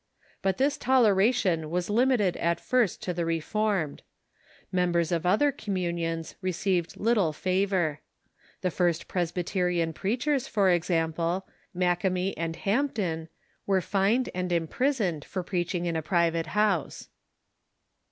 But this toleration was limited at first to the Reformed. ]\Iembers of other communions received little fa vor. The first Presbyterian preachers, for example, Macke mie and Hampton, were fined and imjjrisoned for preaching in a private house.